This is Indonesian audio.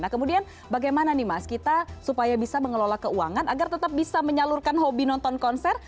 nah kemudian bagaimana nih mas kita supaya bisa mengelola keuangan agar tetap bisa menyalurkan hobi nonton konser